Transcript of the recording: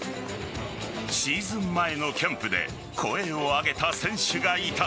シーズン前のキャンプで声を上げた選手がいた。